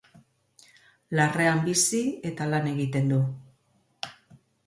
Larrean bizi eta lan egiten du.